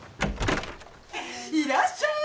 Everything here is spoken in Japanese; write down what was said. いらっしゃい！